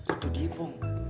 itu dia pong